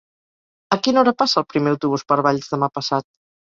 A quina hora passa el primer autobús per Valls demà passat?